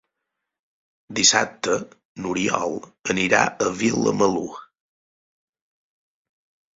Dissabte n'Oriol anirà a Vilamalur.